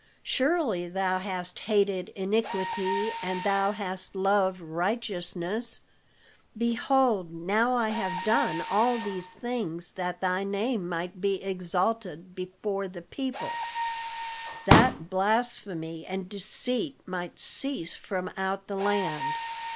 Surely thou hast hated iniquity and thou hast loved righteousness; behold now I have done all these things that thy name might be exalted before the people, that blasphemy and deceit might cease from out the land."